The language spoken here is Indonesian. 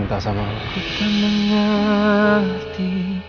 nggak mau ngerti